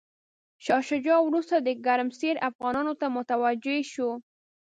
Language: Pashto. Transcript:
شاه شجاع وروسته د ګرمسیر افغانانو ته متوجه شو.